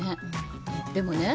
でもね